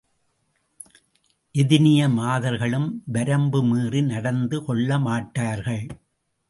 எதினிய மாதர்களும் வரம்பு மீறி நடந்து கொள்ளமாட்டார்கள்.